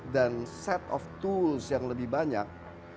dan set of tools yang lebih banyak